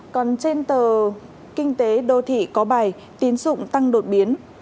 còn trên tờ kinh tế đô thị có bài tín dụng tăng đột biến